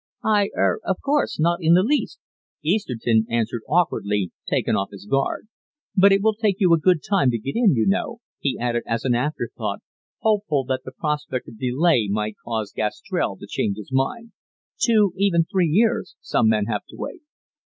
"I? Er oh, of course, not in the least!" Easterton answered awkwardly, taken off his guard. "But it will take you a good time to get in, you know," he added as an afterthought, hopeful that the prospect of delay might cause Gastrell to change his mind. "Two, even three years, some men have to wait."